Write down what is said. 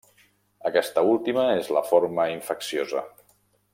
Aquesta última és la forma infecciosa.